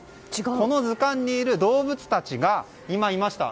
この図鑑にいる動物たちが今いました。